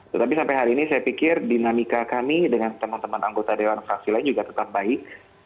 tetapi sampai hari ini saya pikir dinamika kami dengan teman teman anggota dewan fraksi lain juga tetap baik